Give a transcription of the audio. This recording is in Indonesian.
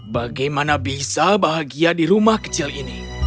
bagaimana bisa bahagia di rumah kecil ini